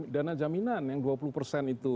dana jaminan yang dua puluh persen itu